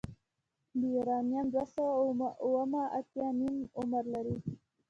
د یورانیم دوه سوه اوومه اتیا نیم عمر لري.